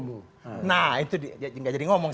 ngomong nah itu dia gak jadi ngomong